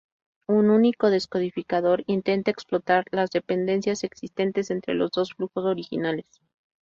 Un único descodificador intenta explotar las dependencias existentes entre los dos flujos originales.